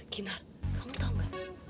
kinar kamu tau nggak